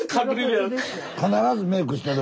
必ずメークしてる。